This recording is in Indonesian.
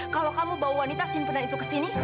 kalau kamu bawa wanita simpanan itu kesini